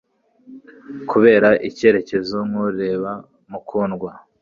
Kabure icyerekezo nkureba mukundwa